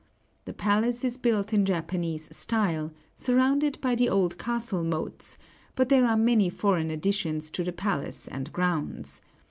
The palace is built in Japanese style, surrounded by the old castle moats, but there are many foreign additions to the palace and grounds.